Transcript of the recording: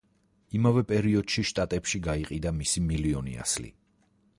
იმავე პერიოდში შტატებში გაიყიდა მისი მილიონი ასლი.